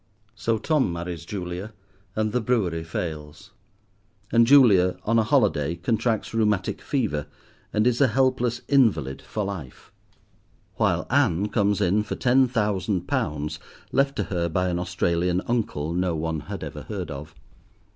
So Tom marries Julia and the brewery fails, and Julia, on a holiday, contracts rheumatic fever, and is a helpless invalid for life; while Ann comes in for ten thousand pounds left to her by an Australian uncle no one had ever heard of.